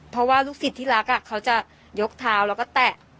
เพราะว่าลูกศิษย์ที่รักเขาจะยกเท้าแล้วก็แตะ